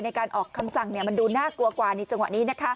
ในการออกคำสั่งมันดูน่ากลัวกว่าในจังหวะนี้